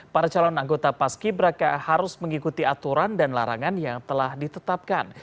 para calon anggota paski braka harus mengikuti aturan dan larangan yang telah ditetapkan